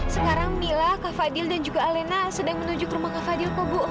sekarang mila kak fadil dan juga alena sedang menuju ke rumah kak fadil kok bu